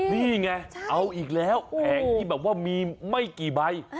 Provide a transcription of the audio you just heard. นี่ไงเอาอีกแล้วแผงที่แบบว่ามีไม่กี่ใบ